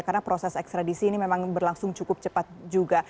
karena proses ekstradisi ini memang berlangsung cukup cepat juga